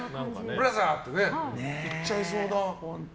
ブラザー！って言っちゃいそうな。